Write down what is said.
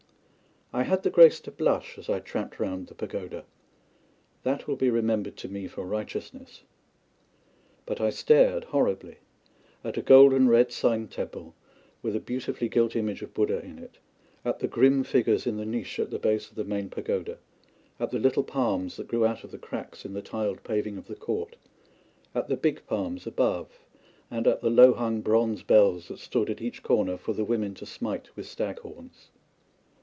I had the grace to blush as I tramped round the pagoda. That will be remembered to me for righteousness. But I stared horribly at a gold and red side temple with a beautifully gilt image of Buddha in it at the grim figures in the niches at the base of the main pagoda at the little palms that grew out of the cracks in the tiled paving of the court at the big palms above, and at the low hung bronze bells that stood at each corner for the women to smite with stag horns.